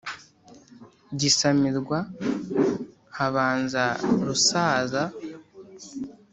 gisamirwa, habanza rusaza